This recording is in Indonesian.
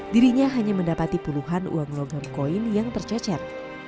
dirinya hanya mendapati puluhan uang logam koin yang tercecer